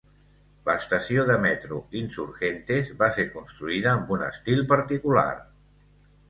L'estació de metro Insurgentes va ser construïda amb un estil particular.